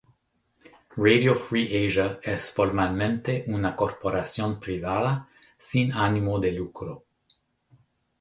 Radio Free Asia es formalmente una corporación privada sin ánimo de lucro.